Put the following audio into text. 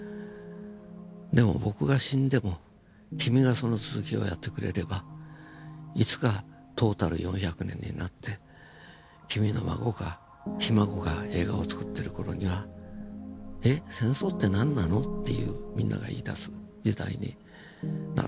でも僕が死んでも君がその続きをやってくれればいつかトータル４００年になって君の孫がひ孫が映画をつくってる頃には「えっ戦争って何なの？」っていうみんなが言いだす時代になる。